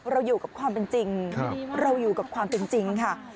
เราอยู่กับความเป็นจริงเราอยู่กับความเป็นจริงค่ะ